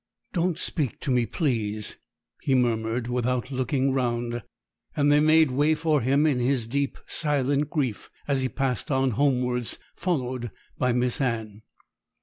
'Don't speak to me, please,' he murmured, without looking round; and they made way for him in his deep, silent grief, as he passed on homewards, followed by Miss Anne.